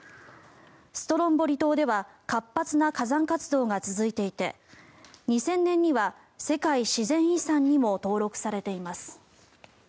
ストロンボリ島では活発な火山活動が続いていて２０００年には世界自然遺産にも登録されています。